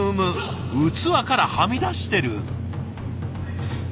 器からはみ出してる。